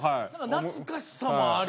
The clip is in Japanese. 懐かしさもあり。